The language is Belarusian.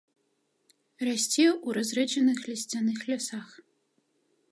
Расце ў разрэджаных лісцяных лясах.